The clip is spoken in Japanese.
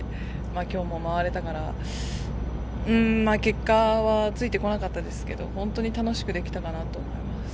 きょうも回れたから、うーん、まあ結果はついてこなかったですけど、本当に楽しくできたかなと思います。